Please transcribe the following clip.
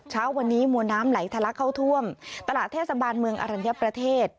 เช้าวันนี้มวลน้ำไหลทะลักเข้าท่วมตลาดเทศบาลเมืองอรัญญประเทศ